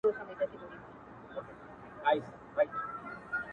د زاريو له دې کښته قدم اخله!!